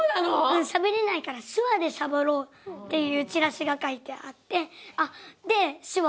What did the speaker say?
うんしゃべれないから手話でしゃべろうっていうチラシが書いてあってで手話を覚えていっています。